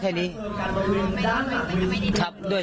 ครับผม